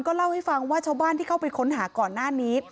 เล่าให้ฟังว่าชาวบ้านที่เข้าไปค้นหาก่อนหน้านี้